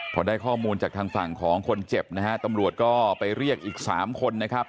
พอได้ข้อมูลจากทางฝั่งของคนเจ็บนะฮะตำรวจก็ไปเรียกอีก๓คนนะครับ